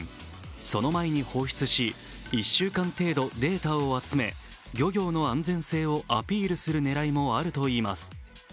その前に放出し、１週間程度、データを集め漁業の安全性をアピールする狙いもあるといいます。